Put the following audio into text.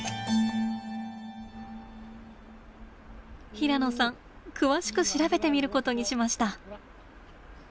平野さん詳しく調べてみることにしました。